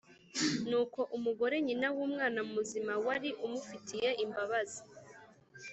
Nuko umugore nyina w’umwana muzima wari umufitiye imbabazi